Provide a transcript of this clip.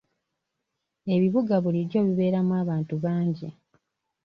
Ebibuga bulijjo bibeeramu abantu bangi.